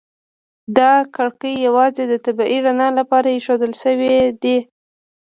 دا کړکۍ یوازې د طبیعي رڼا لپاره ایښودل شوي دي.